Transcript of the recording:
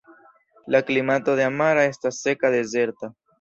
La klimato de Amara estas seka dezerta.